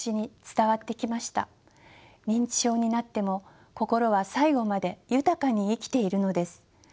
認知症になっても心は最後まで豊かに生きているのです。